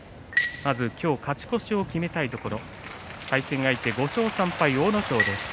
まず今日勝ち越しを決めたいところ対戦相手５勝３敗阿武咲です。